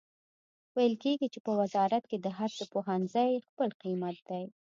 ویل کیږي چې په وزارت کې د هر پوهنځي خپل قیمت دی